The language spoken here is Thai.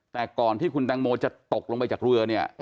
แต่ก่อนที่คุณแตงโมจะตกลงไปจากเรือเนี่ย